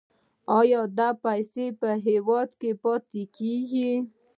آیا دا پیسې په هیواد کې پاتې کیږي؟